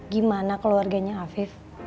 gimana keluarganya afif